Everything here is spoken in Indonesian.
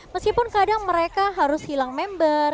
meskipun kadang mereka harus hilang member